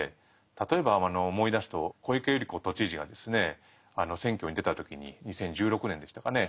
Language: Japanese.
例えば思い出すと小池百合子都知事が選挙に出た時に２０１６年でしたかね